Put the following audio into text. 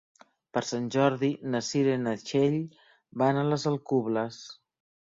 Per Sant Jordi na Cira i na Txell van a les Alcubles.